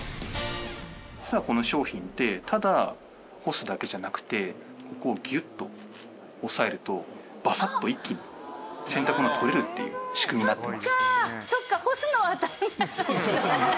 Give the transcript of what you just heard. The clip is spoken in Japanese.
実はこの商品ってただ干すだけじゃなくてここをギュッと押さえるとバサッと一気に洗濯物が取れるっていう仕組みになってます。